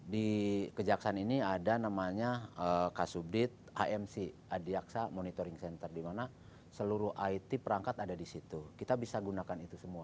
di kerjaksaan ini ada namanya ksubdid amc adiaksa monitoring center dimana seluruh it perangkat ada disitu kita bisa gunakan itu semua